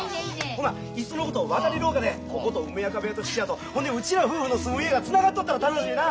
ほないっそのこと渡り廊下でここと梅若部屋と質屋とそんでうちら夫婦の住む家がつながっとったら楽しいな！